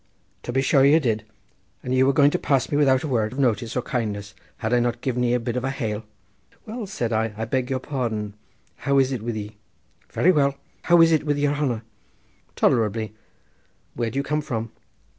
"To be sure ye did; and ye were going to pass me without a word of notice or kindness had I not given ye a bit of a hail." "Well," said I, "I beg your pardon. How is it all wid ye?" "Quite well. How is it wid yere hanner?" "Tolerably. Where do you come from?"